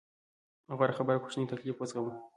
غوره خبره کوچنی تکليف وزغمو.